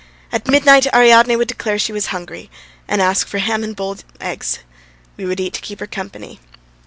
At midnight Ariadne would declare she was hungry, and ask for ham and boiled eggs. We would eat to keep her company.